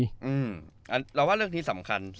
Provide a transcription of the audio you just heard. เราว่าเรื่องนี้สำคัญ